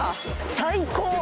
最高！